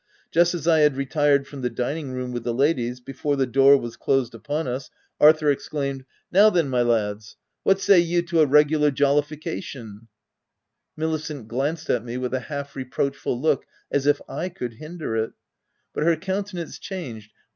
Just as I had retired from the dining room, with the ladies, before the door was closed upon us, Arthur exclaimed — OF WILDFELL HALL. 219 H Now then, my lads, what say you to a regular jollification ¥* Milicent glanced at me with a half reproach ful look, as if / could hinder it ; but her coun tenance changed when